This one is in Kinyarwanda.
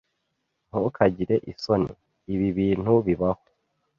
Ntukagire isoni. Ibi bintu bibaho.